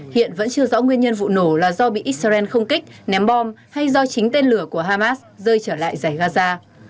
hiện vẫn chưa rõ nguyên nhân vụ nổ là do bị israel không kích ném bom hay do chính tên lửa của hamas rơi trở lại giải gaza